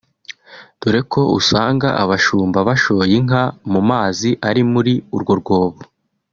dore ko usanga abashumba bashoye inka mu mazi ari muri urwo rwobo